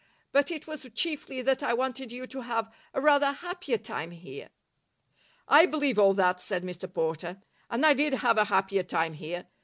But it was chiefly that I wanted you to have a rather happier time here." "I believe all that," said Mr Porter, "and I did have a happier time here.